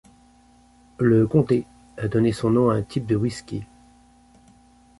Le comté a donné son nom à un type de whisky.